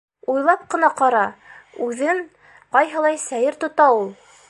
Уйлап ҡына ҡара: үҙен ҡайһылай сәйер тота ул!